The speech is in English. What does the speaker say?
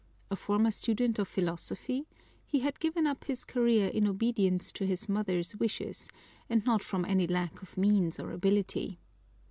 A former student of philosophy, he had given up his career in obedience to his mother's wishes and not from any lack of means or ability.